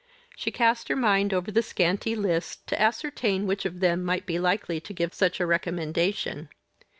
She cast her mind over the scanty list to ascertain which of them might be likely to give such a recommendation.